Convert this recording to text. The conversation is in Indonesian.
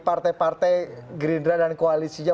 partai partai gerindra dan koalisinya